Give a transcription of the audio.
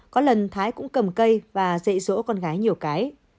có lần thái cũng cầm cây và dậy rỗ con gái nhiều cái